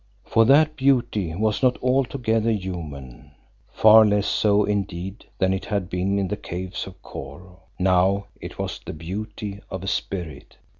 For that beauty was not altogether human, far less so indeed than it had been in the Caves of Kôr; now it was the beauty of a spirit.